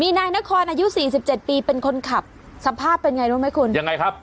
นายนครอายุสี่สิบเจ็ดปีเป็นคนขับสภาพเป็นไงรู้ไหมคุณยังไงครับ